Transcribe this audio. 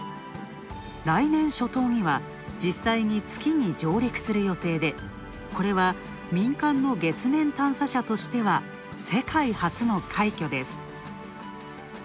来年初頭には実際に月に上陸する予定で、これは民間の月面探査車としては世界初の快挙です。